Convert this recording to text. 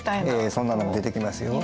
そんなのも出てきますよ。